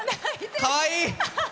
かわいい！